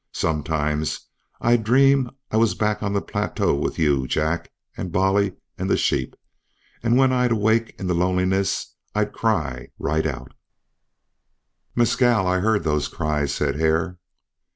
Sometimes I'd dream I was back on the plateau with you, Jack, and Bolly and the sheep, and when I'd awake in the loneliness I'd cry right out " "Mescal, I heard those cries," said Hare.